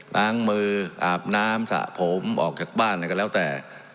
ล้างมืออาบน้ำสระผมออกจากบ้านอะไรก็แล้วแต่